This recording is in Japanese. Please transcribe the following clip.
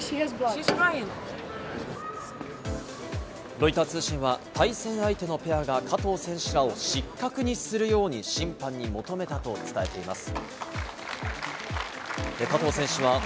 ロイター通信は対戦相手のペアが加藤選手らを失格にするように審判に求めたと伝えています。